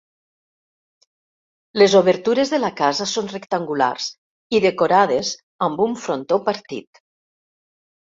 Les obertures de la casa són rectangulars i decorades amb un frontó partit.